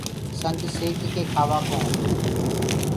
سنگ سيڪ ڪي کآوآڪو هوندوئي